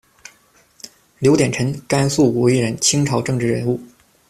刘典臣，甘肃武威人，清朝政治人物。